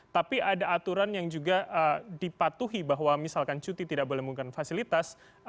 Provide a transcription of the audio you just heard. tapi ada aturan yang juga dipatuhi bahwa misalkan cuti tidak boleh menggunakan fasilitas